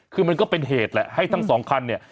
คือมันก็เป็นเหตุแหละให้ทั้งสองคันเนี่ย